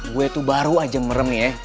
gue tuh baru aja merem ya